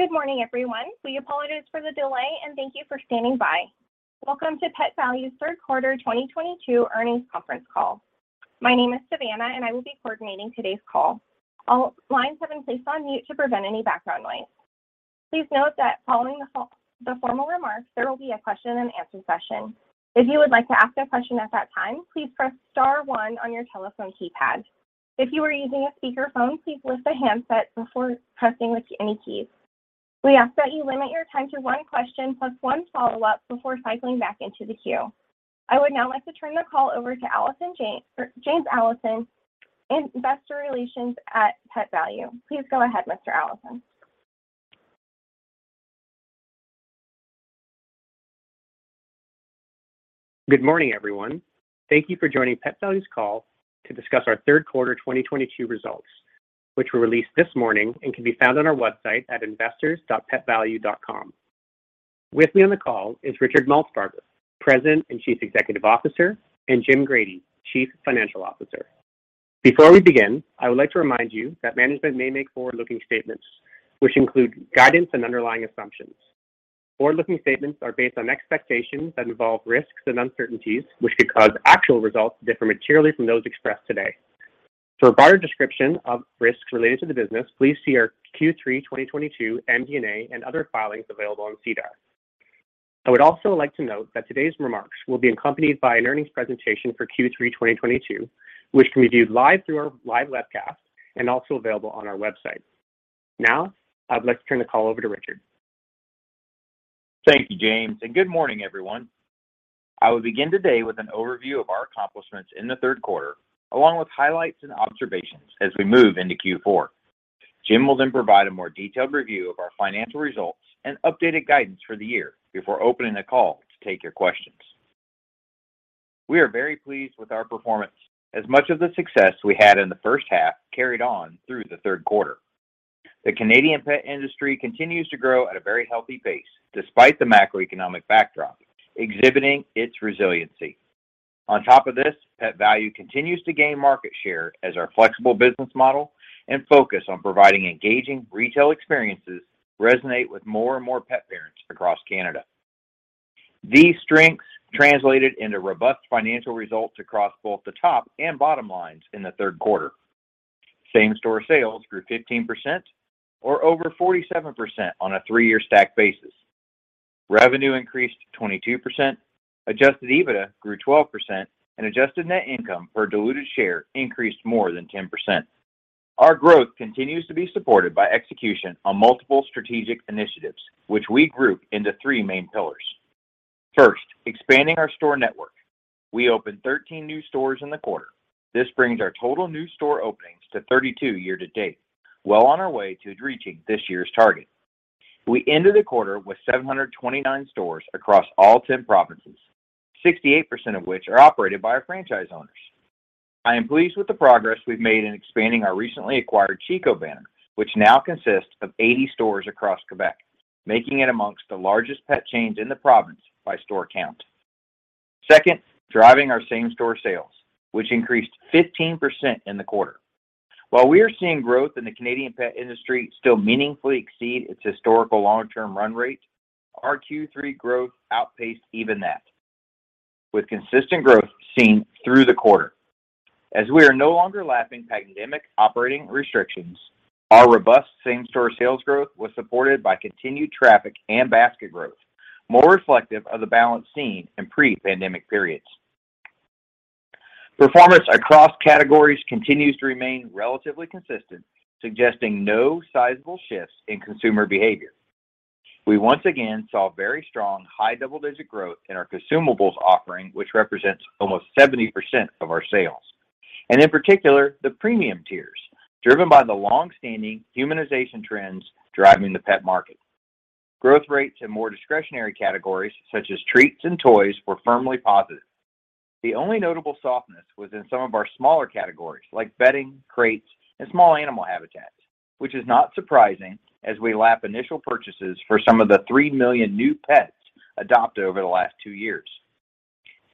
Good morning, everyone. We apologize for the delay, and thank you for standing by. Welcome to Pet Valu's third quarter 2022 earnings conference call. My name is Savannah, and I will be coordinating today's call. All lines have been placed on mute to prevent any background noise. Please note that following the formal remarks, there will be a question and answer session. If you would like to ask a question at that time, please press star one on your telephone keypad. If you are using a speakerphone, please lift the handset before pressing with any keys. We ask that you limit your time to one question plus one follow-up before cycling back into the queue. I would now like to turn the call over to James Allison, Investor Relations at Pet Valu. Please go ahead, Mr. Allison. Good morning, everyone. Thank you for joining Pet Valu's call to discuss our third quarter 2022 results, which were released this morning and can be found on our website at investors.petvalu.com. With me on the call is Richard Maltsbarger, President and Chief Executive Officer, and Jim Grady, Chief Financial Officer. Before we begin, I would like to remind you that management may make forward-looking statements which include guidance and underlying assumptions. Forward-looking statements are based on expectations that involve risks and uncertainties which could cause actual results to differ materially from those expressed today. For a broader description of risks related to the business, please see our Q3 2022 MD&A and other filings available on SEDAR. I would also like to note that today's remarks will be accompanied by an earnings presentation for Q3 2022, which can be viewed live through our live webcast and also available on our website. Now, I'd like to turn the call over to Richard. Thank you, James, and good morning, everyone. I will begin today with an overview of our accomplishments in the third quarter, along with highlights and observations as we move into Q4. Jim will then provide a more detailed review of our financial results and updated guidance for the year before opening the call to take your questions. We are very pleased with our performance, as much of the success we had in the first half carried on through the third quarter. The Canadian pet industry continues to grow at a very healthy pace despite the macroeconomic backdrop, exhibiting its resiliency. On top of this, Pet Valu continues to gain market share as our flexible business model and focus on providing engaging retail experiences resonate with more and more pet parents across Canada. These strengths translated into robust financial results across both the top and bottom lines in the third quarter. Same-store sales grew 15% or over 47% on a three-year stack basis. Revenue increased 22%, adjusted EBITDA grew 12%, and adjusted net income per diluted share increased more than 10%. Our growth continues to be supported by execution on multiple strategic initiatives, which we group into three main pillars. First, expanding our store network. We opened 13 new stores in the quarter. This brings our total new store openings to 32 year to date. Well on our way to reaching this year's target. We ended the quarter with 729 stores across all ten provinces, 68% of which are operated by our franchise owners. I am pleased with the progress we've made in expanding our recently acquired Chico banner, which now consists of 80 stores across Quebec, making it amongst the largest pet chains in the province by store count. Second, driving our same-store sales, which increased 15% in the quarter. While we are seeing growth in the Canadian pet industry still meaningfully exceed its historical long-term run rate, our Q3 growth outpaced even that with consistent growth seen through the quarter. As we are no longer lapping pandemic operating restrictions, our robust same-store sales growth was supported by continued traffic and basket growth, more reflective of the balance seen in pre-pandemic periods. Performance across categories continues to remain relatively consistent, suggesting no sizable shifts in consumer behavior. We once again saw very strong high double-digit growth in our consumables offering, which represents almost 70% of our sales. In particular, the premium tiers, driven by the long-standing humanization trends driving the pet market. Growth rates in more discretionary categories, such as treats and toys, were firmly positive. The only notable softness was in some of our smaller categories, like bedding, crates, and small animal habitats, which is not surprising as we lap initial purchases for some of the 3 million new pets adopted over the last 2 years.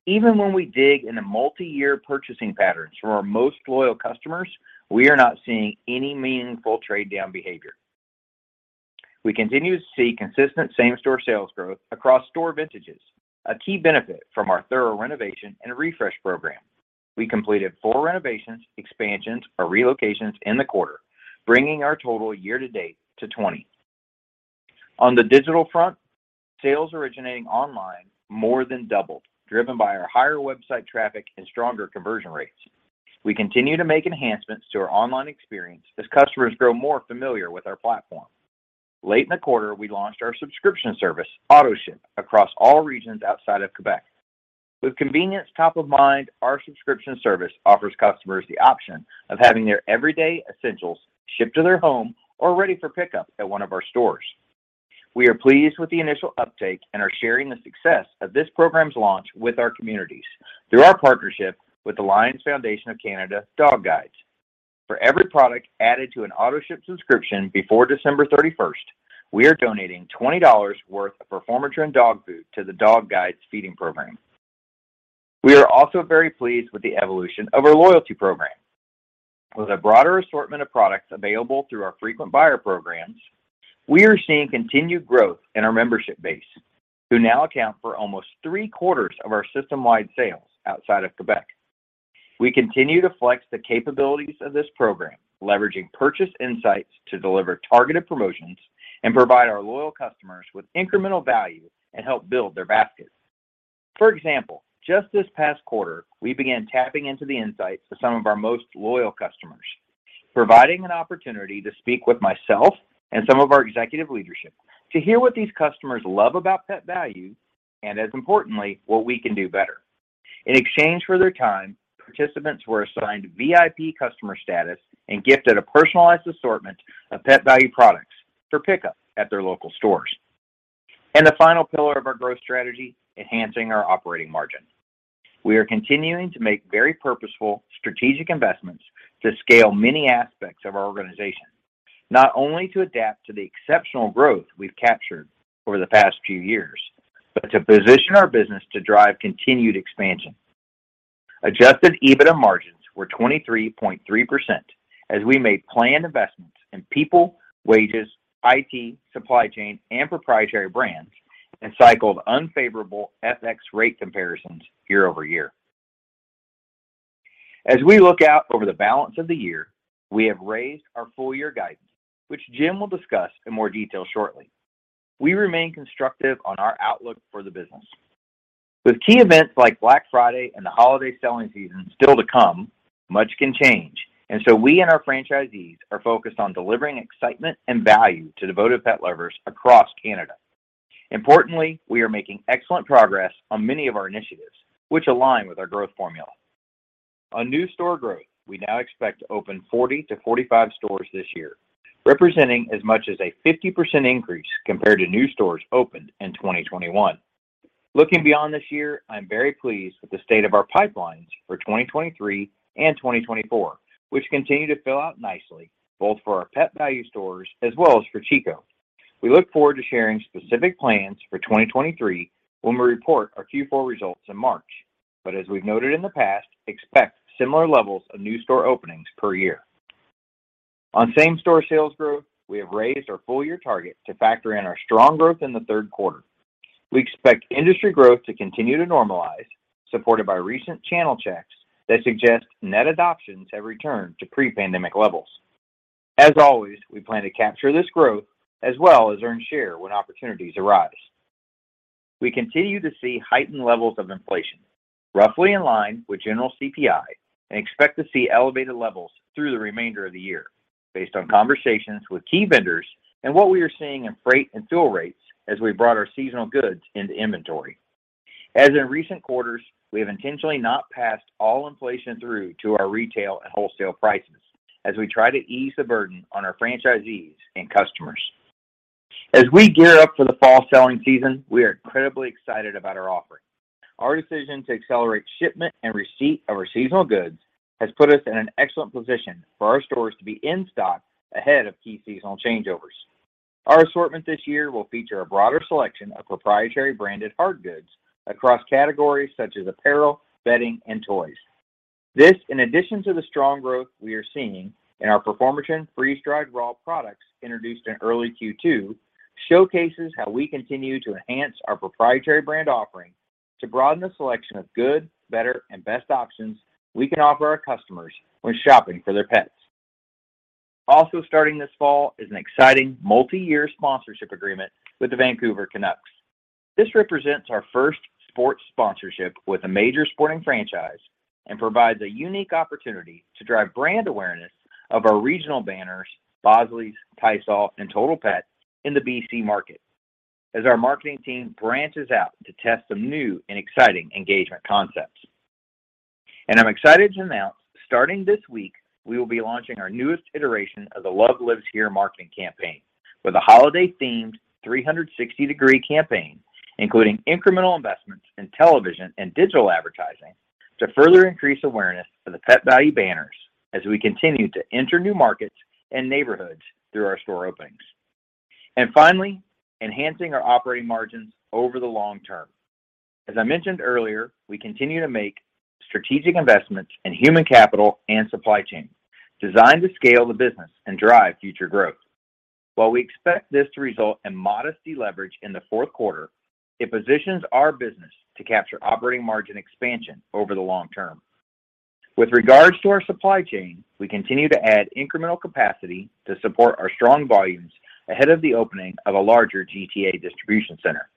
Even when we dig into multi-year purchasing patterns from our most loyal customers, we are not seeing any meaningful trade-down behavior. We continue to see consistent same-store sales growth across store vintages, a key benefit from our thorough renovation and refresh program. We completed 4 renovations, expansions, or relocations in the quarter, bringing our total year to date to 20. On the digital front, sales originating online more than doubled, driven by our higher website traffic and stronger conversion rates. We continue to make enhancements to our online experience as customers grow more familiar with our platform. Late in the quarter, we launched our subscription service, AutoShip, across all regions outside of Quebec. With convenience top of mind, our subscription service offers customers the option of having their everyday essentials shipped to their home or ready for pickup at one of our stores. We are pleased with the initial uptake and are sharing the success of this program's launch with our communities through our partnership with the Lions Foundation of Canada Dog Guides. For every product added to an AutoShip subscription before December 31st, we are donating 20 dollars worth of Performatrin dog food to the Dog Guides feeding program. We are also very pleased with the evolution of our loyalty program. With a broader assortment of products available through our frequent buyer programs, we are seeing continued growth in our membership base, who now account for almost three-quarters of our system-wide sales outside of Quebec. We continue to flex the capabilities of this program, leveraging purchase insights to deliver targeted promotions and provide our loyal customers with incremental value and help build their basket. For example, just this past quarter, we began tapping into the insights of some of our most loyal customers, providing an opportunity to speak with myself and some of our executive leadership to hear what these customers love about Pet Valu and, as importantly, what we can do better. In exchange for their time, participants were assigned VIP customer status and gifted a personalized assortment of Pet Valu products for pickup at their local stores. The final pillar of our growth strategy, enhancing our operating margin. We are continuing to make very purposeful, strategic investments to scale many aspects of our organization, not only to adapt to the exceptional growth we've captured over the past few years, but to position our business to drive continued expansion. Adjusted EBITDA margins were 23.3% as we made planned investments in people, wages, IT, supply chain, and proprietary brands, and cycled unfavorable FX rate comparisons year-over-year. As we look out over the balance of the year, we have raised our full-year guidance, which Jim will discuss in more detail shortly. We remain constructive on our outlook for the business. With key events like Black Friday and the holiday selling season still to come, much can change, and so we and our franchisees are focused on delivering excitement and value to devoted pet lovers across Canada. Importantly, we are making excellent progress on many of our initiatives, which align with our growth formula. On new store growth, we now expect to open 40-45 stores this year, representing as much as a 50% increase compared to new stores opened in 2021. Looking beyond this year, I'm very pleased with the state of our pipelines for 2023 and 2024, which continue to fill out nicely, both for our Pet Valu stores as well as for Chico. We look forward to sharing specific plans for 2023 when we report our Q4 results in March. As we've noted in the past, expect similar levels of new store openings per year. On same-store sales growth, we have raised our full-year target to factor in our strong growth in the third quarter. We expect industry growth to continue to normalize, supported by recent channel checks that suggest net adoptions have returned to pre-pandemic levels. As always, we plan to capture this growth as well as earn share when opportunities arise. We continue to see heightened levels of inflation, roughly in line with general CPI, and expect to see elevated levels through the remainder of the year based on conversations with key vendors and what we are seeing in freight and fuel rates as we brought our seasonal goods into inventory. As in recent quarters, we have intentionally not passed all inflation through to our retail and wholesale prices as we try to ease the burden on our franchisees and customers. As we gear up for the fall selling season, we are incredibly excited about our offering. Our decision to accelerate shipment and receipt of our seasonal goods has put us in an excellent position for our stores to be in stock ahead of key seasonal changeovers. Our assortment this year will feature a broader selection of proprietary branded hard goods across categories such as apparel, bedding, and toys. This, in addition to the strong growth we are seeing in our Performatrin freeze-dried raw products introduced in early Q2, showcases how we continue to enhance our proprietary brand offering to broaden the selection of good, better, and best options we can offer our customers when shopping for their pets. Also starting this fall is an exciting multi-year sponsorship agreement with the Vancouver Canucks. This represents our first sports sponsorship with a major sporting franchise and provides a unique opportunity to drive brand awareness of our regional banners, Bosley's, Tisol, and Total Pet in the BC market as our marketing team branches out to test some new and exciting engagement concepts. I'm excited to announce, starting this week, we will be launching our newest iteration of the Love Lives Here marketing campaign with a holiday-themed 360-degree campaign, including incremental investments in television and digital advertising to further increase awareness of the Pet Valu banners as we continue to enter new markets and neighborhoods through our store openings. Finally, enhancing our operating margins over the long term. As I mentioned earlier, we continue to make strategic investments in human capital and supply chain designed to scale the business and drive future growth. While we expect this to result in modest deleverage in the fourth quarter, it positions our business to capture operating margin expansion over the long term. With regards to our supply chain, we continue to add incremental capacity to support our strong volumes ahead of the opening of a larger GTA distribution center.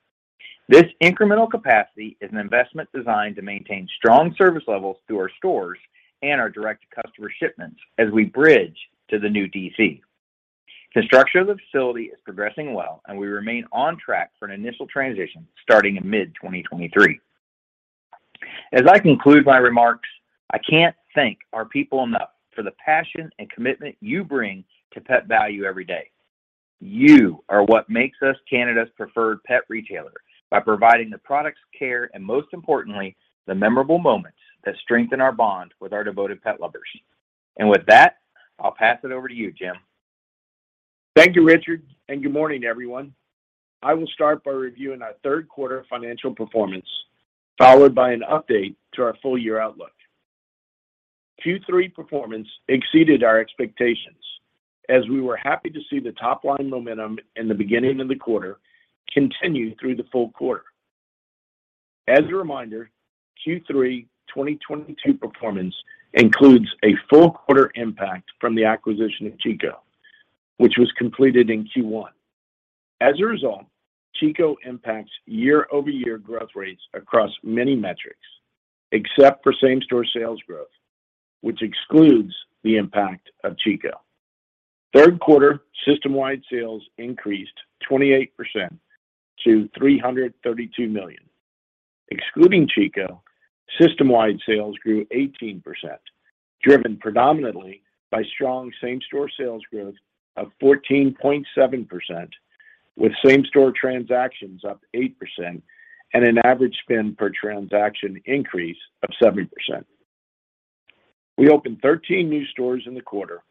This incremental capacity is an investment designed to maintain strong service levels to our stores and our direct-to-customer shipments as we bridge to the new DC. Construction of the facility is progressing well, and we remain on track for an initial transition starting in mid-2023. As I conclude my remarks, I can't thank our people enough for the passion and commitment you bring to Pet Valu every day. You are what makes us Canada's preferred pet retailer by providing the products, care, and most importantly, the memorable moments that strengthen our bond with our devoted pet lovers. With that, I'll pass it over to you, Jim. Thank you, Richard, and good morning, everyone. I will start by reviewing our third quarter financial performance, followed by an update to our full year outlook. Q3 performance exceeded our expectations as we were happy to see the top-line momentum in the beginning of the quarter continue through the full quarter. As a reminder, Q3 2022 performance includes a full quarter impact from the acquisition of Chico, which was completed in Q1. As a result, Chico impacts year-over-year growth rates across many metrics, except for same-store sales growth, which excludes the impact of Chico. Third quarter system-wide sales increased 28% to CAD 332 million. Excluding Chico, system-wide sales grew 18%, driven predominantly by strong same-store sales growth of 14.7%, with same-store transactions up 8% and an average spend per transaction increase of 7%. We opened 13 new stores in the quarter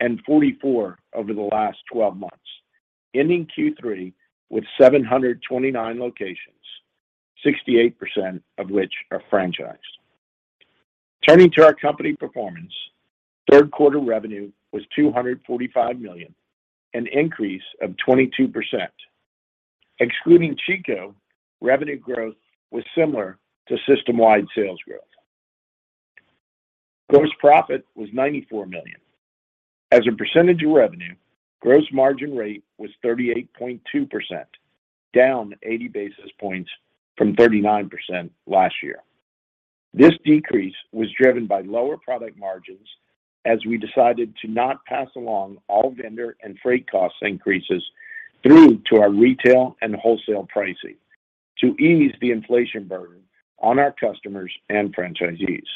and 44 over the last 12 months, ending Q3 with 729 locations, 68% of which are franchised. Turning to our company performance, third quarter revenue was 245 million, an increase of 22%. Excluding Chico, revenue growth was similar to system-wide sales growth. Gross profit was 94 million. As a percentage of revenue, gross margin rate was 38.2%, down 80 basis points from 39% last year. This decrease was driven by lower product margins as we decided to not pass along all vendor and freight cost increases through to our retail and wholesale pricing to ease the inflation burden on our customers and franchisees.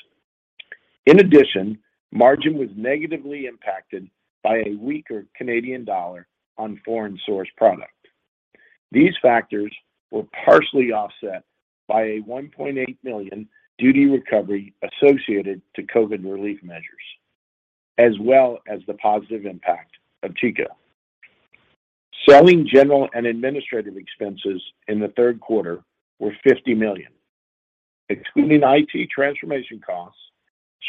In addition, margin was negatively impacted by a weaker Canadian dollar on foreign source product. These factors were partially offset by a 1.8 million duty recovery associated to COVID relief measures, as well as the positive impact of Chico. Selling general and administrative expenses in the third quarter were 50 million. Excluding IT transformation costs,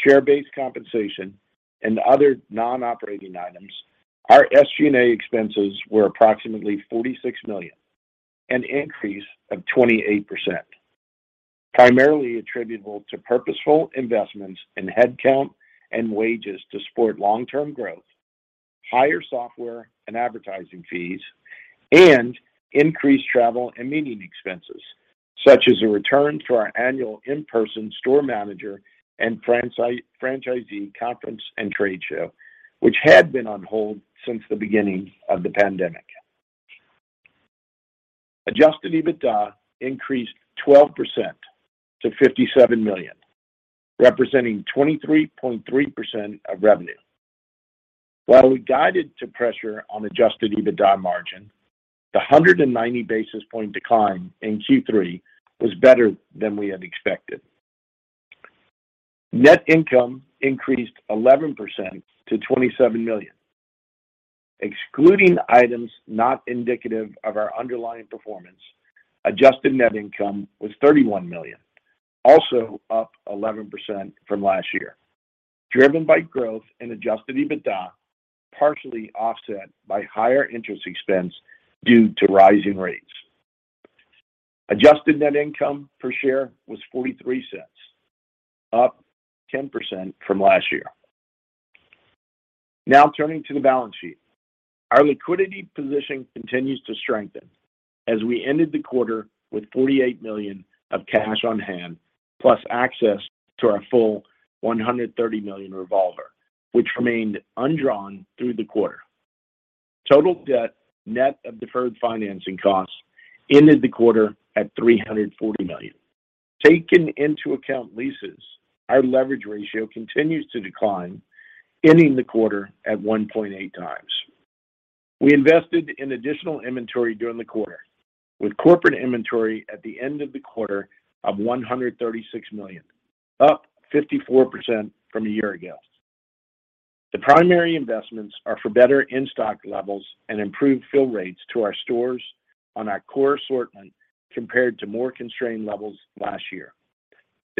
share-based compensation, and other non-operating items, our SG&A expenses were approximately 46 million, an increase of 28%, primarily attributable to purposeful investments in headcount and wages to support long-term growth, higher software and advertising fees, and increased travel and meeting expenses, such as a return to our annual in-person store manager and franchisee conference and trade show, which had been on hold since the beginning of the pandemic. Adjusted EBITDA increased 12% to 57 million, representing 23.3% of revenue. While we guided to pressure on adjusted EBITDA margin, the 190 basis points decline in Q3 was better than we had expected. Net income increased 11% to 27 million. Excluding items not indicative of our underlying performance, adjusted net income was 31 million, also up 11% from last year, driven by growth in adjusted EBITDA, partially offset by higher interest expense due to rising rates. Adjusted net income per share was 0.43, up 10% from last year. Now turning to the balance sheet. Our liquidity position continues to strengthen as we ended the quarter with 48 million of cash on hand, plus access to our full 130 million revolver, which remained undrawn through the quarter. Total debt, net of deferred financing costs, ended the quarter at 340 million. Taking into account leases, our leverage ratio continues to decline, ending the quarter at 1.8 times. We invested in additional inventory during the quarter, with corporate inventory at the end of the quarter of 136 million, up 54% from a year ago. The primary investments are for better in-stock levels and improved fill rates to our stores on our core assortment compared to more constrained levels last year,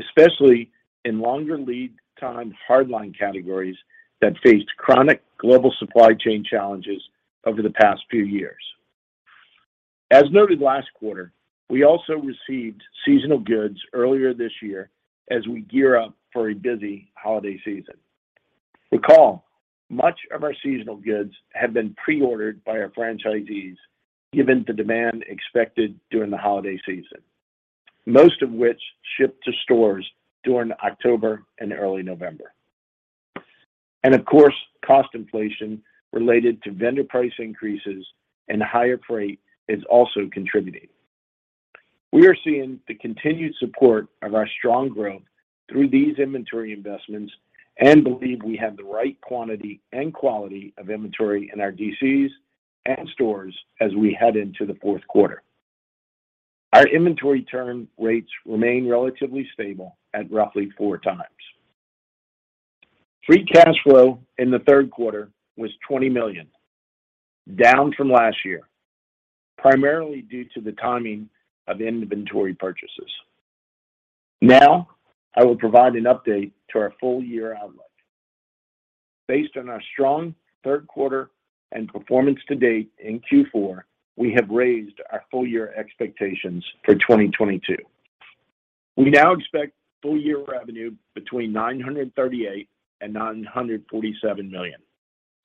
especially in longer lead time hard line categories that faced chronic global supply chain challenges over the past few years. As noted last quarter, we also received seasonal goods earlier this year as we gear up for a busy holiday season. Recall, much of our seasonal goods had been pre-ordered by our franchisees given the demand expected during the holiday season, most of which shipped to stores during October and early November. Of course, cost inflation related to vendor price increases and higher freight is also contributing. We are seeing the continued support of our strong growth through these inventory investments and believe we have the right quantity and quality of inventory in our DCs and stores as we head into the fourth quarter. Our inventory turn rates remain relatively stable at roughly 4 times. Free cash flow in the third quarter was 20 million, down from last year, primarily due to the timing of inventory purchases. Now, I will provide an update to our full year outlook. Based on our strong third quarter and performance to date in Q4, we have raised our full year expectations for 2022. We now expect full year revenue between 938 million and 947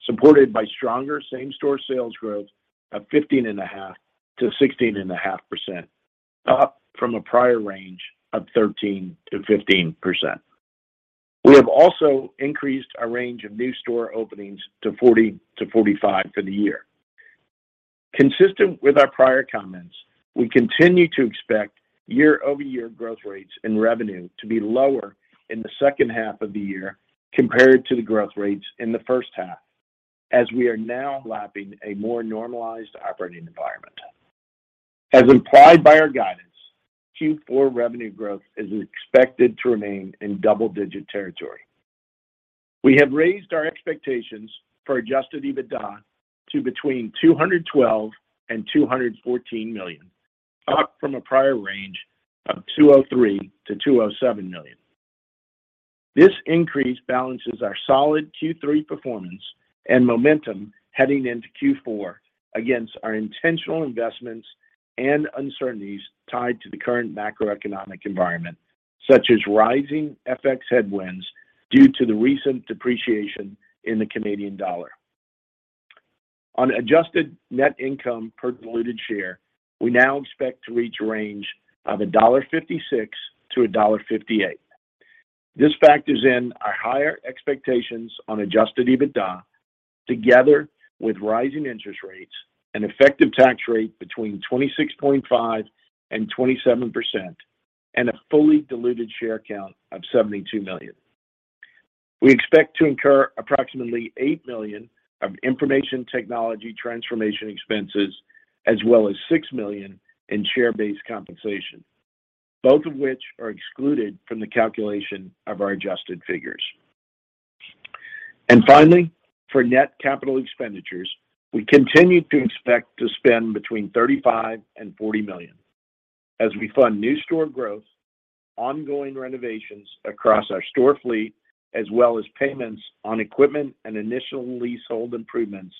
million, supported by stronger same-store sales growth of 15.5%-16.5%, up from a prior range of 13%-15%. We have also increased our range of new store openings to 40-45 for the year. Consistent with our prior comments, we continue to expect year-over-year growth rates in revenue to be lower in the second half of the year compared to the growth rates in the first half, as we are now lapping a more normalized operating environment. As implied by our guidance, Q4 revenue growth is expected to remain in double-digit territory. We have raised our expectations for adjusted EBITDA to between 212 million and 214 million, up from a prior range of 203 million-207 million. This increase balances our solid Q3 performance and momentum heading into Q4 against our intentional investments and uncertainties tied to the current macroeconomic environment, such as rising FX headwinds due to the recent depreciation in the Canadian dollar. On adjusted net income per diluted share, we now expect to reach a range of 1.56-1.58 dollar. This factors in our higher expectations on adjusted EBITDA together with rising interest rates, an effective tax rate between 26.5% and 27%, and a fully diluted share count of 72 million. We expect to incur approximately 8 million of information technology transformation expenses, as well as 6 million in share-based compensation, both of which are excluded from the calculation of our adjusted figures. Finally, for net capital expenditures, we continue to expect to spend between 35 million and 40 million as we fund new store growth, ongoing renovations across our store fleet, as well as payments on equipment and initial leasehold improvements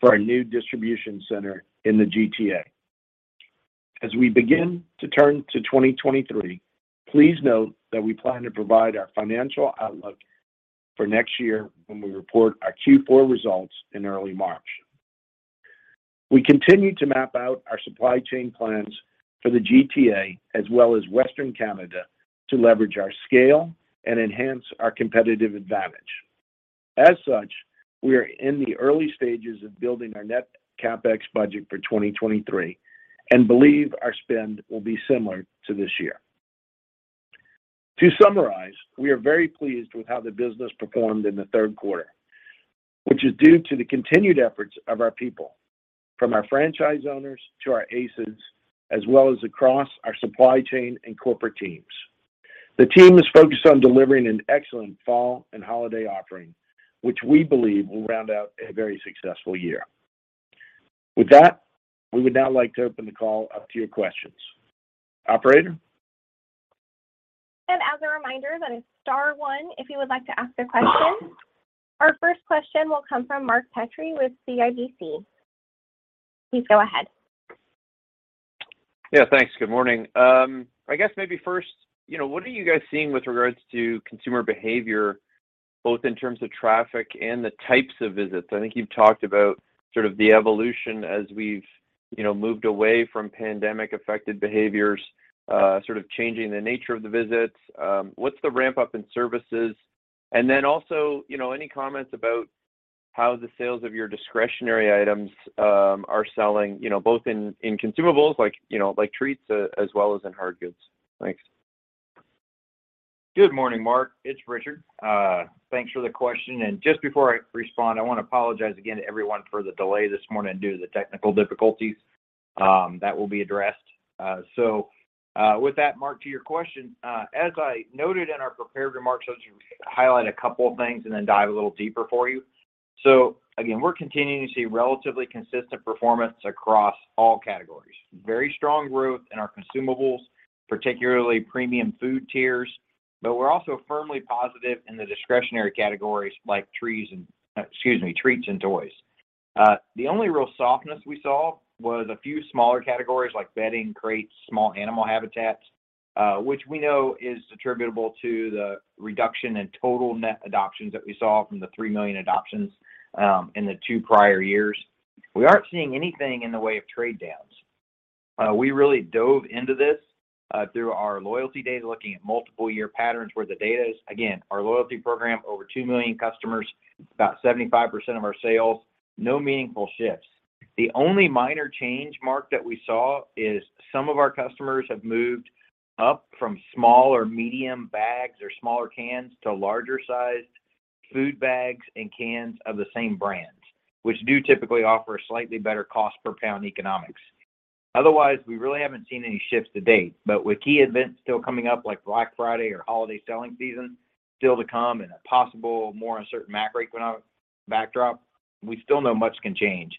for our new distribution center in the GTA. As we begin to turn to 2023, please note that we plan to provide our financial outlook for next year when we report our Q4 results in early March. We continue to map out our supply chain plans for the GTA as well as Western Canada to leverage our scale and enhance our competitive advantage. As such, we are in the early stages of building our net CapEx budget for 2023 and believe our spend will be similar to this year. To summarize, we are very pleased with how the business performed in the third quarter, which is due to the continued efforts of our people, from our franchise owners to our ACEs, as well as across our supply chain and corporate teams. The team is focused on delivering an excellent fall and holiday offering, which we believe will round out a very successful year. With that, we would now like to open the call up to your questions. Operator? As a reminder, that is star one if you would like to ask a question. Our first question will come from Mark Petrie with CIBC. Please go ahead. Yeah, thanks. Good morning. I guess maybe first, you know, what are you guys seeing with regards to consumer behavior, both in terms of traffic and the types of visits? I think you've talked about sort of the evolution as we've, you know, moved away from pandemic-affected behaviors, sort of changing the nature of the visits. What's the ramp-up in services? And then also, you know, any comments about how the sales of your discretionary items are selling, you know, both in consumables like, you know, like treats as well as in hard goods? Thanks. Good morning, Mark. It's Richard. Thanks for the question. Just before I respond, I wanna apologize again to everyone for the delay this morning due to the technical difficulties that will be addressed. With that, Mark, to your question, as I noted in our prepared remarks, I'll just highlight a couple of things and then dive a little deeper for you. Again, we're continuing to see relatively consistent performance across all categories. Very strong growth in our consumables, particularly premium food tiers, but we're also firmly positive in the discretionary categories like treats and toys. The only real softness we saw was a few smaller categories like bedding, crates, small animal habitats, which we know is attributable to the reduction in total net adoptions that we saw from the 3 million adoptions in the two prior years. We aren't seeing anything in the way of trade downs. We really dove into this through our loyalty data, looking at multiple year patterns where the data is. Again, our loyalty program, over 2 million customers, about 75% of our sales, no meaningful shifts. The only minor change, Mark, that we saw is some of our customers have moved up from small or medium bags or smaller cans to larger sized food bags and cans of the same brands, which do typically offer slightly better cost per pound economics. Otherwise, we really haven't seen any shifts to date. With key events still coming up like Black Friday or holiday selling season still to come, and a possible more uncertain macroeconomic backdrop, we still know much can change.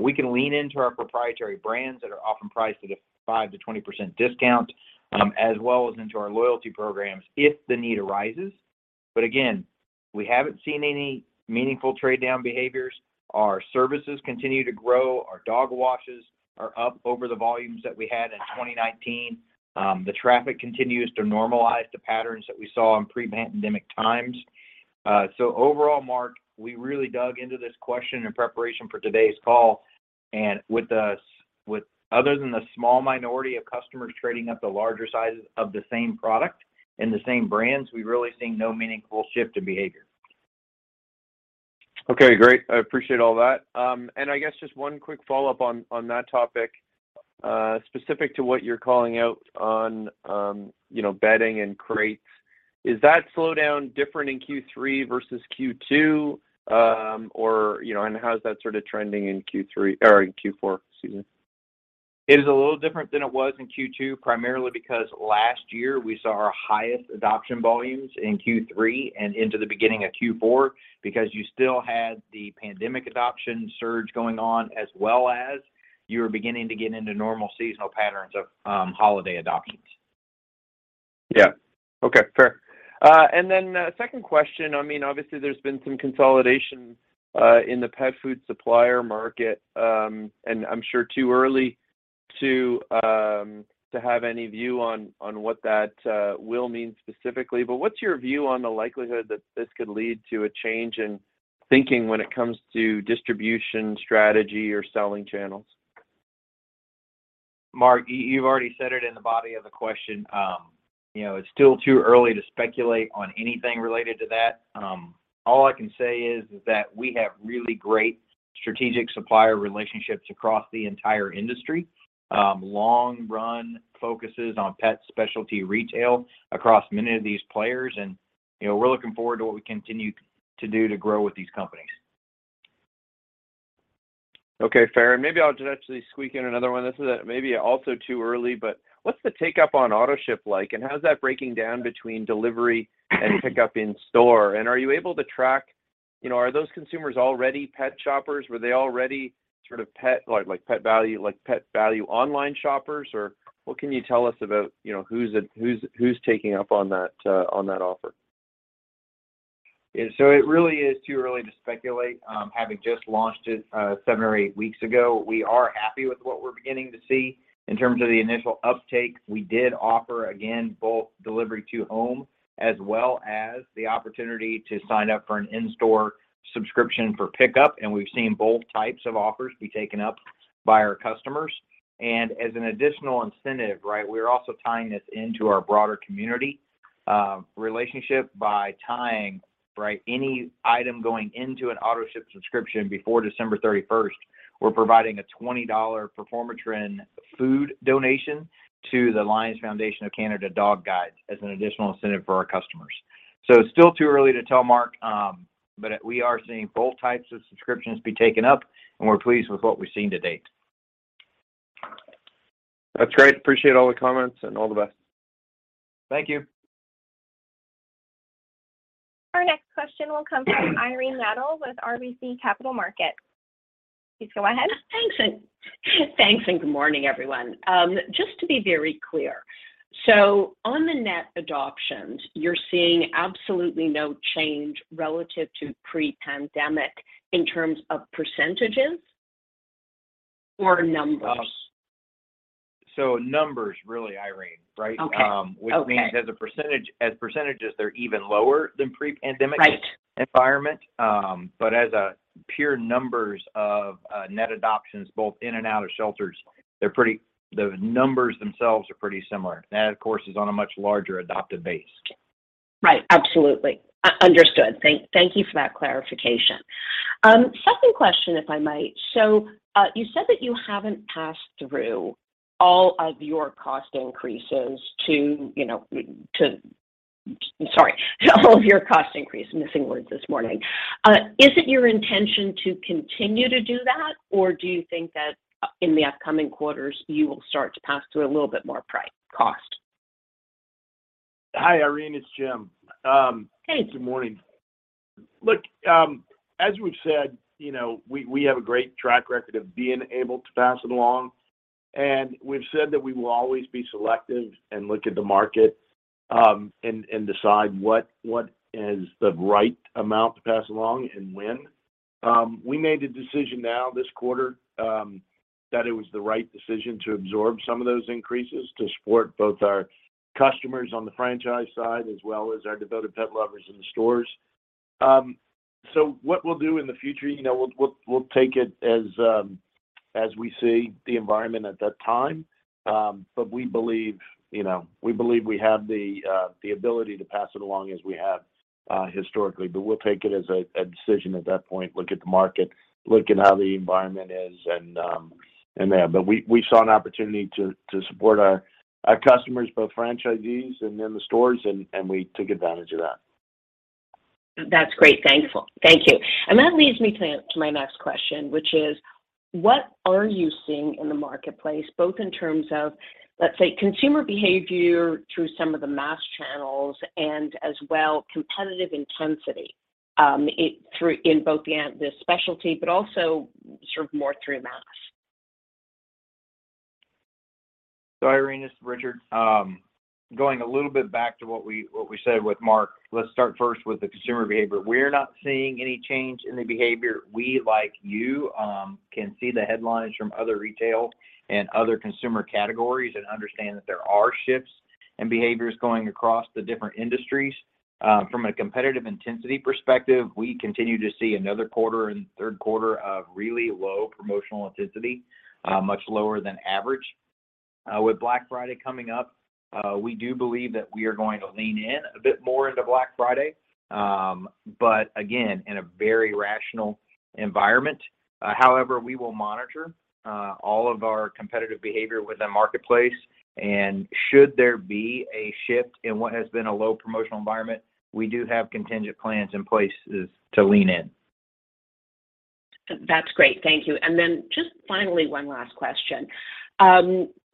We can lean into our proprietary brands that are often priced at a 5%-20% discount, as well as into our loyalty programs if the need arises. Again, we haven't seen any meaningful trade-down behaviors. Our services continue to grow. Our dog washes are up over the volumes that we had in 2019. The traffic continues to normalize the patterns that we saw in pre-pandemic times. Overall, Mark, we really dug into this question in preparation for today's call, and other than the small minority of customers trading up the larger sizes of the same product and the same brands, we've really seen no meaningful shift in behavior. Okay, great. I appreciate all that. I guess just one quick follow-up on that topic, specific to what you're calling out on, you know, bedding and crates. Is that slowdown different in Q3 versus Q2? You know, and how is that sort of trending in Q3 or in Q4? Excuse me. It is a little different than it was in Q2, primarily because last year we saw our highest adoption volumes in Q3 and into the beginning of Q4, because you still had the pandemic adoption surge going on, as well as you were beginning to get into normal seasonal patterns of holiday adoptions. Yeah. Okay. Fair. Second question, I mean, obviously, there's been some consolidation in the pet food supplier market, and I'm sure it's too early to have any view on what that will mean specifically. What's your view on the likelihood that this could lead to a change in thinking when it comes to distribution strategy or selling channels? Mark, you've already said it in the body of the question. You know, it's still too early to speculate on anything related to that. All I can say is that we have really great strategic supplier relationships across the entire industry. Long run focuses on pet specialty retail across many of these players. You know, we're looking forward to what we continue to do to grow with these companies. Okay, fair. Maybe I'll just actually squeak in another one. This is maybe also too early, but what's the take-up on AutoShip like, and how's that breaking down between delivery and pickup in-store? Are you able to track, you know, are those consumers already pet shoppers? Were they already sort of like Pet Valu online shoppers, or what can you tell us about, you know, who's taking up on that offer? It really is too early to speculate, having just launched it, 7 or 8 weeks ago. We are happy with what we're beginning to see in terms of the initial uptake. We did offer, again, both delivery to home as well as the opportunity to sign up for an in-store subscription for pickup, and we've seen both types of offers be taken up by our customers. As an additional incentive, right, we're also tying this into our broader community relationship by tying, right, any item going into an AutoShip subscription before December 31, we're providing a 20 dollar Performatrin food donation to the Lions Foundation of Canada Dog Guides as an additional incentive for our customers. It's still too early to tell, Mark, but we are seeing both types of subscriptions be taken up, and we're pleased with what we've seen to date. That's great. Appreciate all the comments, and all the best. Thank you. Our next question will come from Irene Nattel with RBC Capital Markets. Please go ahead. Thanks, and good morning, everyone. Just to be very clear, on the net adoptions, you're seeing absolutely no change relative to pre-pandemic in terms of percentages or numbers? Numbers, really, Irene, right? Okay. Which means as percentages, they're even lower than pre-pandemic. Right environment. As pure numbers of net adoptions both in and out of shelters, the numbers themselves are pretty similar. That, of course, is on a much larger adoptive base. Right. Absolutely. Understood. Thank you for that clarification. Second question, if I might. You said that you haven't passed through all of your cost increases to, you know, to. Sorry, all of your cost increase. Missing words this morning. Is it your intention to continue to do that, or do you think that, in the upcoming quarters, you will start to pass through a little bit more cost? Hi, Irene, it's Jim. Hey Good morning. Look, as we've said, you know, we have a great track record of being able to pass it along, and we've said that we will always be selective and look at the market, and decide what is the right amount to pass along and when. We made a decision now this quarter, that it was the right decision to absorb some of those increases to support both our customers on the franchise side as well as our devoted pet lovers in the stores. What we'll do in the future, you know, we'll take it as we see the environment at that time. We believe, you know, we believe we have the ability to pass it along as we have historically, but we'll take it as a decision at that point, look at the market, look at how the environment is, and yeah. We saw an opportunity to support our customers, both franchisees and in the stores, and we took advantage of that. That's great. Thank you. That leads me to my next question, which is what are you seeing in the marketplace, both in terms of, let's say, consumer behavior through some of the mass channels and as well competitive intensity in both the specialty, but also sort of more through mass? Irene, this is Richard. Going a little bit back to what we said with Mark, let's start first with the consumer behavior. We're not seeing any change in the behavior. We, like you, can see the headlines from other retail and other consumer categories and understand that there are shifts in behaviors going across the different industries. From a competitive intensity perspective, we continue to see another quarter in third quarter of really low promotional intensity, much lower than average. With Black Friday coming up, we do believe that we are going to lean in a bit more into Black Friday, but again, in a very rational environment. However, we will monitor all of our competitive behavior within the marketplace. Should there be a shift in what has been a low promotional environment, we do have contingent plans in place to lean in. That's great. Thank you. Just finally, one last question.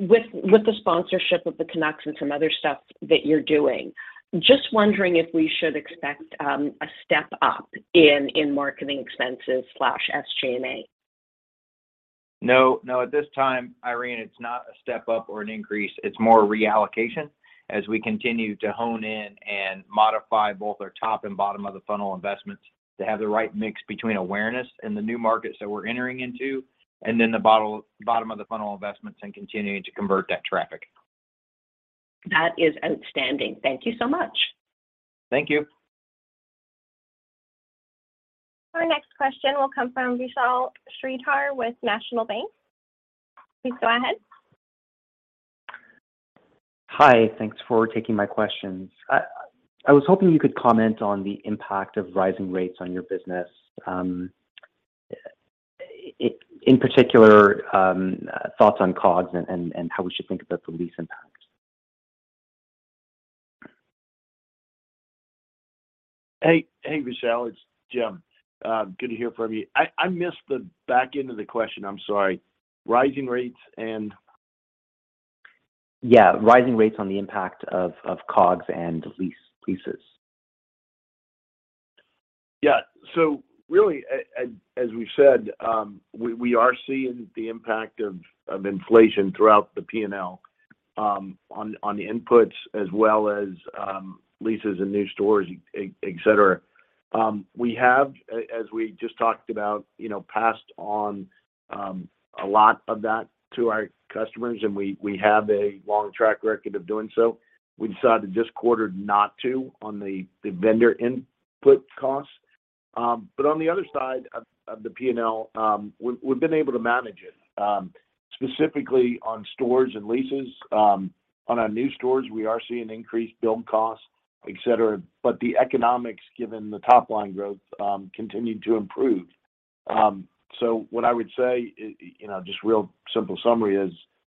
With the sponsorship of the Canucks and some other stuff that you're doing, just wondering if we should expect a step up in marketing expenses, SG&A? No. No, at this time, Irene, it's not a step up or an increase. It's more reallocation as we continue to hone in and modify both our top and bottom of the funnel investments to have the right mix between awareness in the new markets that we're entering into and then the bottom of the funnel investments and continuing to convert that traffic. That is outstanding. Thank you so much. Thank you. Our next question will come from Vishal Shreedhar with National Bank. Please go ahead. Hi. Thanks for taking my questions. I was hoping you could comment on the impact of rising rates on your business. In particular, thoughts on COGS and how we should think about the lease impact. Hey, Vishal. It's Jim. Good to hear from you. I missed the back end of the question. I'm sorry. Rising rates and Yeah. Rising rates on the impact of COGS and leases. Yeah. Really, as we've said, we are seeing the impact of inflation throughout the P&L, on the inputs as well as leases in new stores, et cetera. We have, as we just talked about, you know, passed on a lot of that to our customers, and we have a long track record of doing so. We decided this quarter not to on the vendor input costs. On the other side of the P&L, we've been able to manage it, specifically on stores and leases. On our new stores, we are seeing increased build costs, et cetera, but the economics, given the top line growth, continue to improve. What I would say, you know, just real simple summary is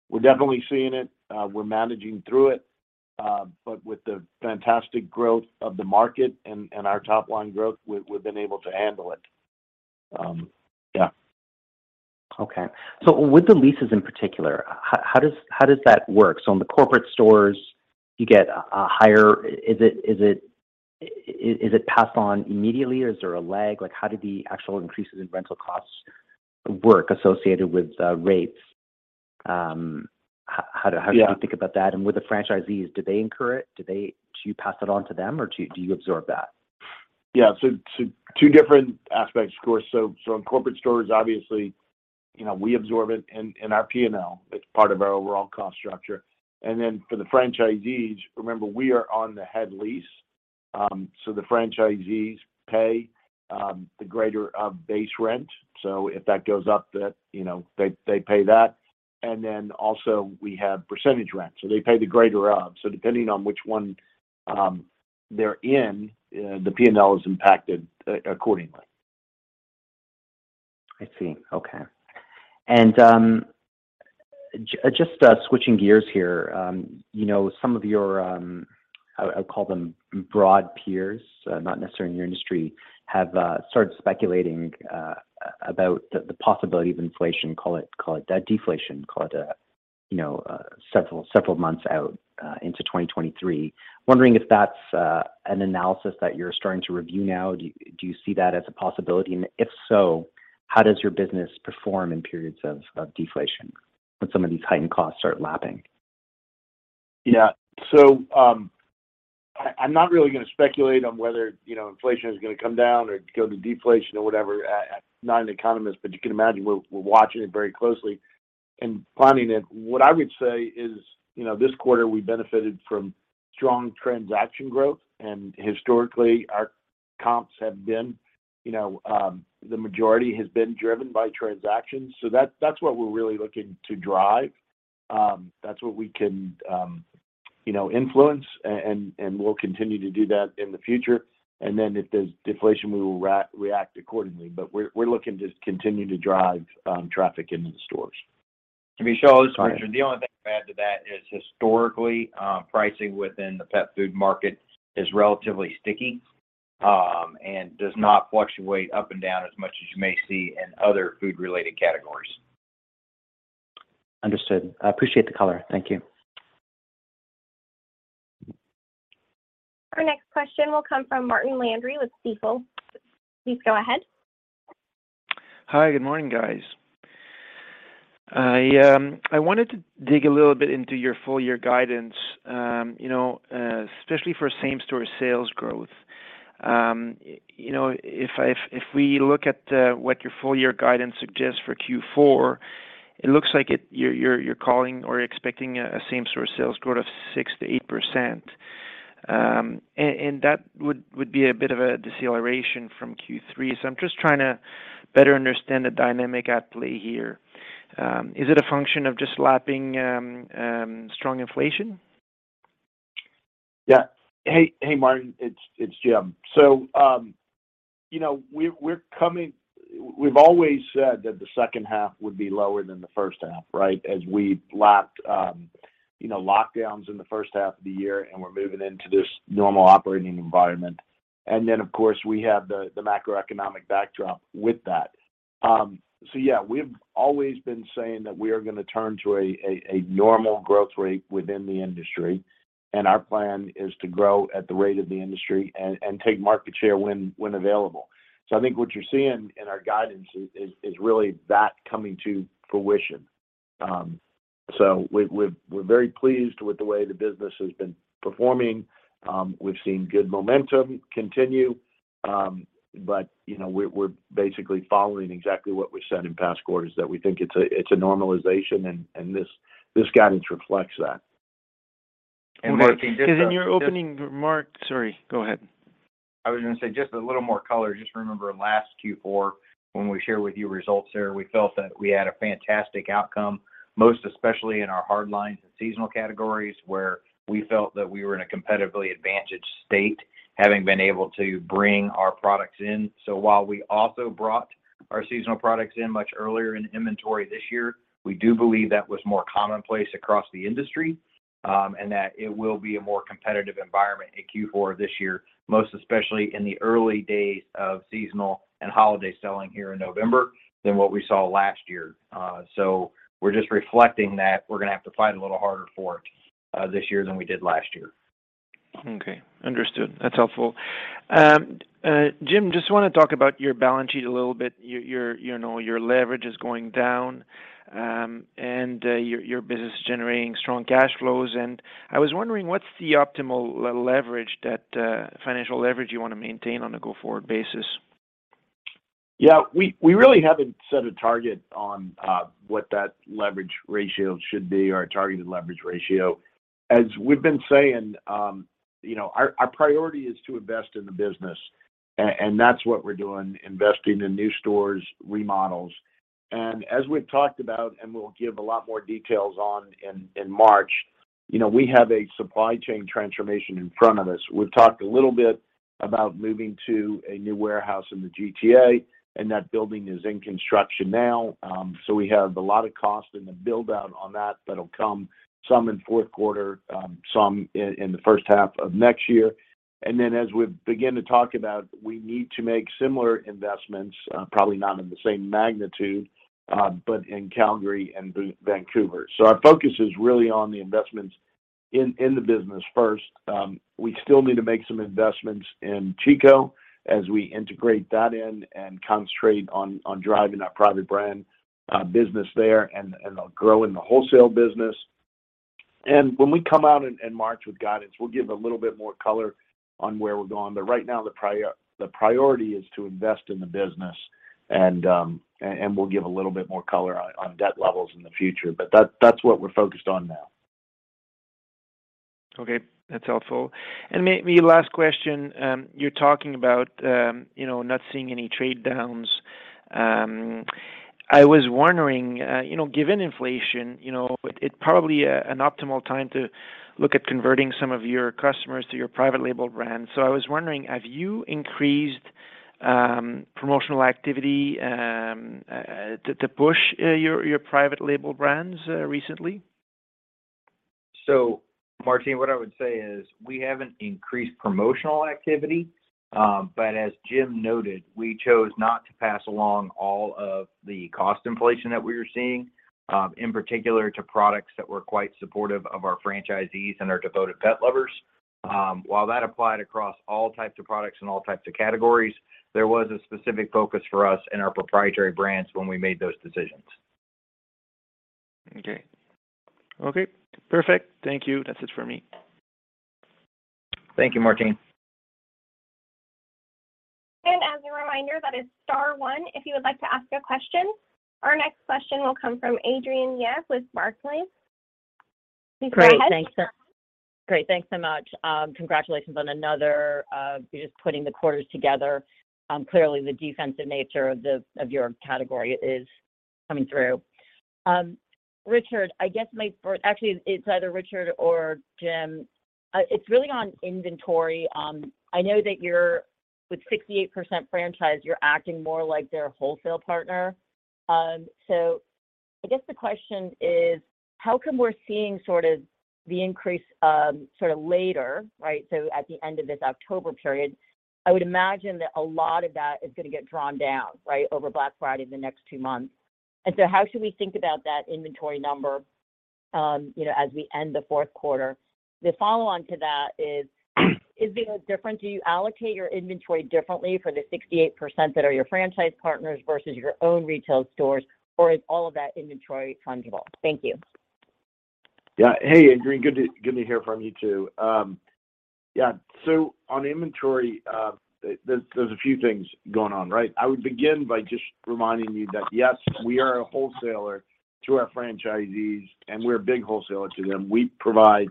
we're definitely seeing it, we're managing through it, but with the fantastic growth of the market and our top line growth, we've been able to handle it. Yeah. Okay. With the leases in particular, how does that work? On the corporate stores, you get a higher. Is it passed on immediately, or is there a lag? Like, how do the actual increases in rental costs work associated with rates? How should we think about that? Yeah. With the franchisees, do they incur it? Do you pass it on to them, or do you absorb that? Yeah. Two different aspects, of course. On corporate stores, obviously, you know, we absorb it in our P&L. It's part of our overall cost structure. For the franchisees, remember, we are on the head lease, so the franchisees pay the greater of base rent. If that goes up, then, you know, they pay that. We have percentage rent, so they pay the greater of. Depending on which one they're in, the P&L is impacted accordingly. I see. Okay. Just switching gears here, you know, some of your, I'll call them broad peers, not necessarily in your industry, have started speculating about the possibility of inflation, call it deflation, call it you know several months out into 2023. Wondering if that's an analysis that you're starting to review now. Do you see that as a possibility? If so, how does your business perform in periods of deflation when some of these heightened costs start lapping? Yeah. I'm not really gonna speculate on whether, you know, inflation is gonna come down or go to deflation or whatever. I'm not an economist, but you can imagine we're watching it very closely and planning it. What I would say is, you know, this quarter, we benefited from strong transaction growth. Historically, our comps have been, you know, the majority has been driven by transactions. That's what we're really looking to drive. That's what we can, you know, influence and we'll continue to do that in the future. Then if there's deflation, we will react accordingly. We're looking to continue to drive traffic into the stores. To be sure, the only thing to add to that is historically, pricing within the pet food market is relatively sticky, and does not fluctuate up and down as much as you may see in other food-related categories. Understood. I appreciate the color. Thank you. Our next question will come from Martin Landry with Stifel. Please go ahead. Hi. Good morning, guys. I wanted to dig a little bit into your full year guidance, you know, especially for same store sales growth. You know, if we look at what your full year guidance suggests for Q4, it looks like you're calling or expecting a same store sales growth of 6%-8%. And that would be a bit of a deceleration from Q3. I'm just trying to better understand the dynamic at play here. Is it a function of just lapping strong inflation? Yeah. Hey, Martin. It's Jim. You know, we're coming. We've always said that the second half would be lower than the first half, right? As we lapped you know, lockdowns in the first half of the year, and we're moving into this normal operating environment. Then, of course, we have the macroeconomic backdrop with that. Yeah, we've always been saying that we are gonna turn to a normal growth rate within the industry, and our plan is to grow at the rate of the industry and take market share when available. I think what you're seeing in our guidance is really that coming to fruition. We're very pleased with the way the business has been performing. We've seen good momentum continue. You know, we're basically following exactly what we said in past quarters, that we think it's a normalization and this guidance reflects that. Martin, just, Okay. In your opening remarks. Sorry, go ahead. I was gonna say just a little more color. Just remember last Q4 when we shared with you results there, we felt that we had a fantastic outcome, most especially in our hard lines and seasonal categories, where we felt that we were in a competitively advantaged state, having been able to bring our products in. While we also brought our seasonal products in much earlier in inventory this year, we do believe that was more commonplace across the industry, and that it will be a more competitive environment in Q4 this year, most especially in the early days of seasonal and holiday selling here in November than what we saw last year. We're just reflecting that we're gonna have to fight a little harder for it, this year than we did last year. Okay. Understood. That's helpful. Jim, just wanna talk about your balance sheet a little bit. You know, your leverage is going down, and your business is generating strong cash flows. I was wondering what's the optimal leverage that financial leverage you wanna maintain on a go-forward basis? Yeah, we really haven't set a target on what that leverage ratio should be or a targeted leverage ratio. As we've been saying, you know, our priority is to invest in the business. That's what we're doing, investing in new stores, remodels. As we've talked about, we'll give a lot more details on in March, you know, we have a supply chain transformation in front of us. We've talked a little bit about moving to a new warehouse in the GTA, and that building is in construction now. We have a lot of cost in the build-out on that. That'll come some in fourth quarter, some in the first half of next year. As we begin to talk about, we need to make similar investments, probably not in the same magnitude, but in Calgary and Vancouver. Our focus is really on the investments in the business first. We still need to make some investments in Chico as we integrate that in and concentrate on driving our private brand business there and growing the wholesale business. When we come out in March with guidance, we'll give a little bit more color on where we're going. Right now the priority is to invest in the business and we'll give a little bit more color on debt levels in the future. That's what we're focused on now. Okay. That's helpful. Maybe last question. You're talking about, you know, not seeing any trade downs. I was wondering, you know, given inflation, you know, it probably an optimal time to look at converting some of your customers to your private label brand. I was wondering, have you increased promotional activity to push your private label brands recently? Martin, what I would say is we haven't increased promotional activity. As Jim noted, we chose not to pass along all of the cost inflation that we were seeing, in particular to products that were quite supportive of our franchisees and our devoted pet lovers. While that applied across all types of products and all types of categories, there was a specific focus for us in our proprietary brands when we made those decisions. Okay. Perfect. Thank you. That's it for me. Thank you, Martin. As a reminder, that is star one if you would like to ask a question. Our next question will come from Adrienne Yih with Barclays. Please go ahead. Great. Thanks so much. Congratulations on another just putting the quarters together. Clearly the defensive nature of your category is coming through. Richard, I guess actually it's either Richard or Jim. It's really on inventory. I know that you're with 68% franchise, you're acting more like their wholesale partner. I guess the question is: how come we're seeing sort of the increase sort of later, right? At the end of this October period, I would imagine that a lot of that is gonna get drawn down, right, over Black Friday, the next two months. How should we think about that inventory number, you know, as we end the fourth quarter? The follow-on to that is there a difference? Do you allocate your inventory differently for the 68% that are your franchise partners versus your own retail stores, or is all of that inventory fungible? Thank you. Yeah. Hey, Adrienne, good to hear from you too. Yeah. On inventory, there's a few things going on, right? I would begin by just reminding you that, yes, we are a wholesaler to our franchisees, and we're a big wholesaler to them. We provide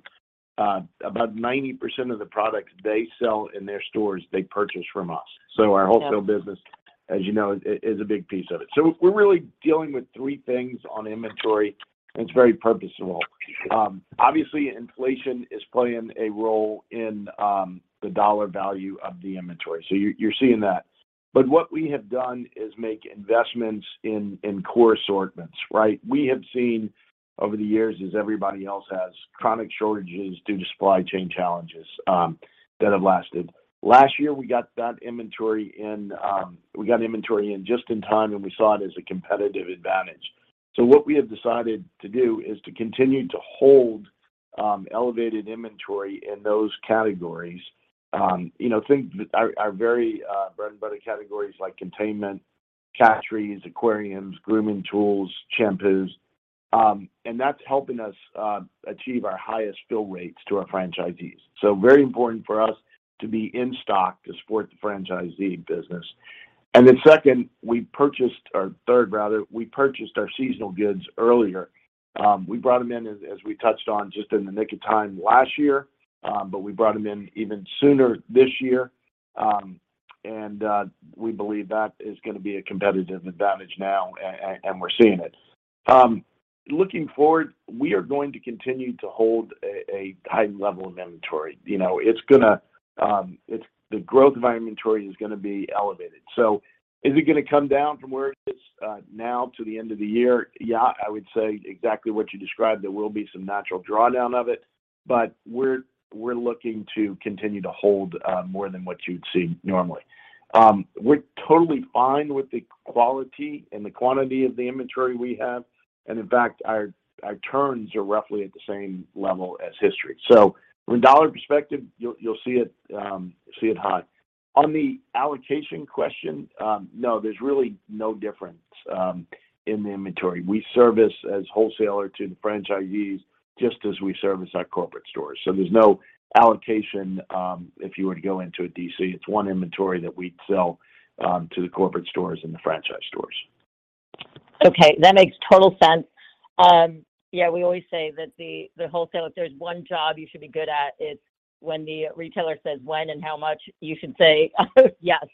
about 90% of the products they sell in their stores, they purchase from us. Our wholesale business- Yeah As you know, is a big piece of it. We're really dealing with three things on inventory, and it's very purposeful. Obviously, inflation is playing a role in the dollar value of the inventory, so you're seeing that. But what we have done is make investments in core assortments, right? We have seen over the years, as everybody else has, chronic shortages due to supply chain challenges that have lasted. Last year, we got that inventory in. We got inventory in just in time, and we saw it as a competitive advantage. What we have decided to do is to continue to hold elevated inventory in those categories. You know, things that are very bread-and-butter categories like containment, cat trees, aquariums, grooming tools, shampoos. That's helping us achieve our highest fill rates to our franchisees. Very important for us to be in stock to support the franchisee business. Then second, or third, rather, we purchased our seasonal goods earlier. We brought them in as we touched on just in the nick of time last year, but we brought them in even sooner this year. We believe that is gonna be a competitive advantage now, and we're seeing it. Looking forward, we are going to continue to hold a high level of inventory. You know, it's the growth of our inventory is gonna be elevated. Is it gonna come down from where it is now to the end of the year? Yeah, I would say exactly what you described. There will be some natural drawdown of it, but we're looking to continue to hold more than what you'd see normally. We're totally fine with the quality and the quantity of the inventory we have, and in fact, our turns are roughly at the same level as history. From a dollar perspective, you'll see it high. On the allocation question, no, there's really no difference in the inventory. We service as wholesaler to the franchisees just as we service our corporate stores, so there's no allocation if you were to go into a DC. It's one inventory that we'd sell to the corporate stores and the franchise stores. Okay, that makes total sense. Yeah, we always say that the wholesale, if there's one job you should be good at, it's when the retailer says when and how much, you should say, "Yes."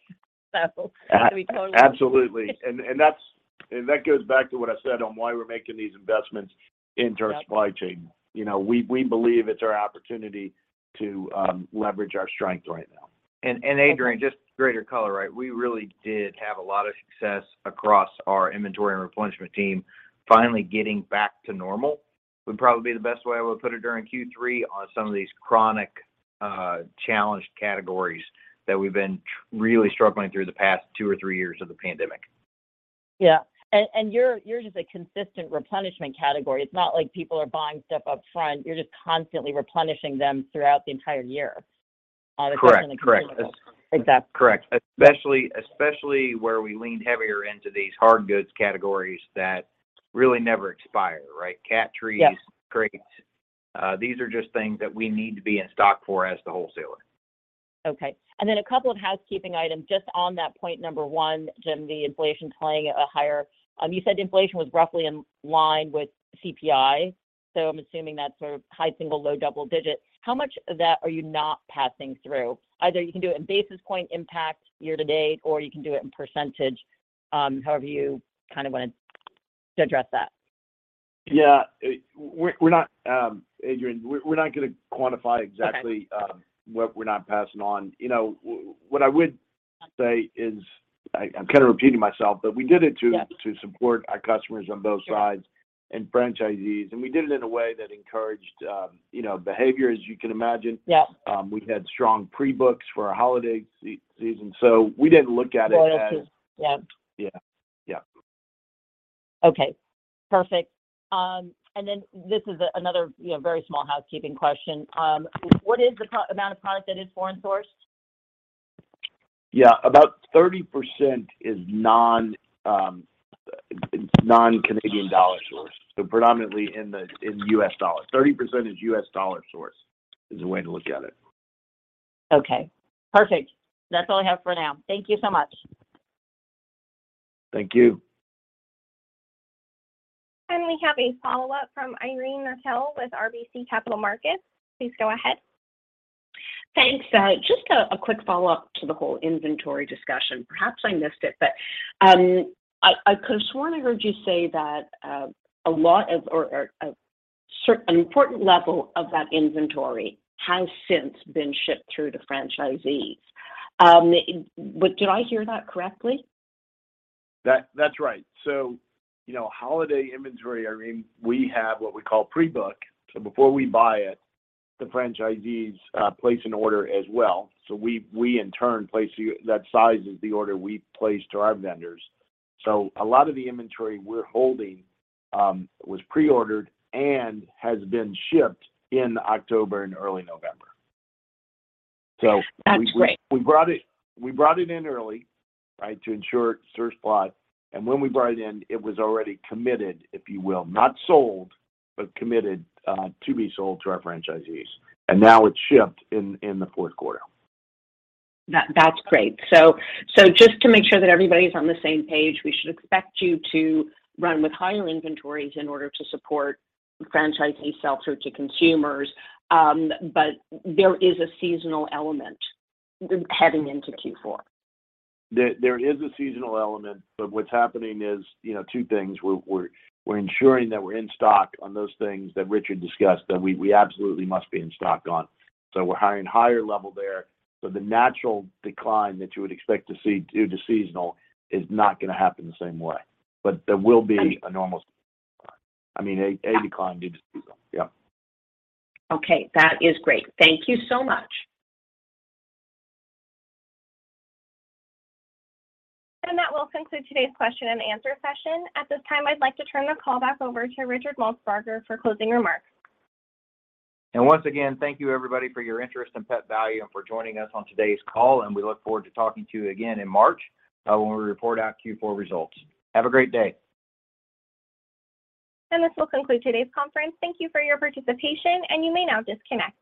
We totally- Absolutely. That goes back to what I said on why we're making these investments into our supply chain. You know, we believe it's our opportunity to leverage our strength right now. Adrienne, just greater color, right? We really did have a lot of success across our inventory and replenishment team. Finally getting back to normal would probably be the best way I would put it during Q3 on some of these chronic, challenged categories that we've been really struggling through the past two or three years of the pandemic. Yeah. You're just a consistent replenishment category. It's not like people are buying stuff up front. You're just constantly replenishing them throughout the entire year. That's been the case. Correct. Exactly. Correct. Especially where we lean heavier into these hard goods categories that really never expire, right? Cat trees. Yeah crates. These are just things that we need to be in stock for as the wholesaler. Okay. A couple of housekeeping items just on that point number one, Jim. You said inflation was roughly in line with CPI, so I'm assuming that's sort of high single, low double digit. How much of that are you not passing through? Either you can do it in basis point impact year to date, or you can do it in percentage, however you kind of wanna address that. Yeah. Adrienne, we're not gonna quantify exactly. Okay What we're not passing on. You know, what I would say is, I'm kind of repeating myself, but we did it to Yeah to support our customers on both sides. Sure franchisees, and we did it in a way that encouraged, you know, behavior, as you can imagine. Yeah. We've had strong pre-books for our holiday season, so we didn't look at it as dinners. Yeah. Yeah. Yeah. Okay, perfect. This is another, you know, very small housekeeping question. What is the amount of product that is foreign sourced? Yeah. About 30% is non-Canadian dollar sourced, so predominantly in U.S. dollars. 30% is U.S. dollar sourced, is the way to look at it. Okay, perfect. That's all I have for now. Thank you so much. Thank you. We have a follow-up from Irene Nattel with RBC Capital Markets. Please go ahead. Thanks. Just a quick follow-up to the whole inventory discussion. Perhaps I missed it, but I could've sworn I heard you say that an important level of that inventory has since been shipped through to franchisees. Did I hear that correctly? That's right. You know, holiday inventory, I mean, we have what we call pre-book. Before we buy it, the franchisees place an order as well. We in turn. That sizes the order we place to our vendors. A lot of the inventory we're holding was pre-ordered and has been shipped in October and early November. We That's great. We brought it in early, right? To ensure store supply, and when we brought it in, it was already committed, if you will. Not sold, but committed to be sold to our franchisees, and now it's shipped in the fourth quarter. That's great. Just to make sure that everybody's on the same page, we should expect you to run with higher inventories in order to support franchisee sell-through to consumers, but there is a seasonal element heading into Q4. There is a seasonal element, but what's happening is, you know, two things. We're ensuring that we're in stock on those things that Richard discussed, that we absolutely must be in stock on. We're hiring higher level there. The natural decline that you would expect to see due to seasonal is not gonna happen the same way. There will be a normal decline. I mean, a decline due to seasonal. Yeah. Okay. That is great. Thank you so much. That will conclude today's question and answer session. At this time, I'd like to turn the call back over to Richard Maltsbarger for closing remarks. Once again, thank you everybody for your interest in Pet Valu and for joining us on today's call, and we look forward to talking to you again in March, when we report out Q4 results. Have a great day. This will conclude today's conference. Thank you for your participation, and you may now disconnect.